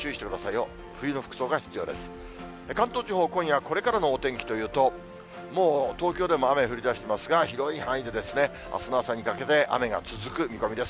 関東地方、今夜これからのお天気というと、もう東京でも雨降りだしてますが、広い範囲であすの朝にかけて雨が続く見込みです。